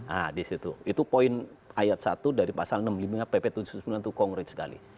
nah di situ itu poin ayat satu dari pasal enam puluh lima pp tujuh puluh sembilan itu konkret sekali